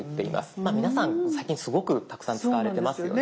今皆さん最近すごくたくさん使われてますよね。